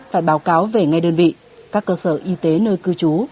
phải báo cáo về ngay đơn vị các cơ sở y tế nơi cư trú